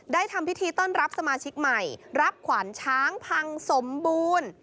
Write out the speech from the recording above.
ทำพิธีต้อนรับสมาชิกใหม่รับขวัญช้างพังสมบูรณ์